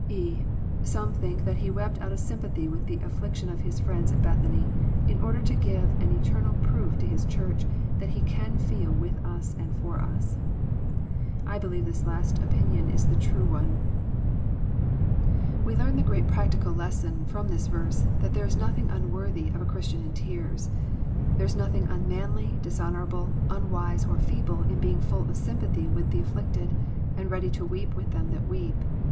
(«) Some think that He wept out of sympathy with the affliction of His friends at Bethany, in order to give an eternal proof to His Church that He can feel with us and for us. I believe llils last opinion is the true one. 276 EXPOSITORY THOUGHTS. We learn the great practical lesson, from this verse, tbat there is nothing unworthy of a Christian in tears. There is nothing nnmanly, dishonourable, unwise, or feeble, in being toll of sympathy with the afflicted, and ready to weep with them that weep.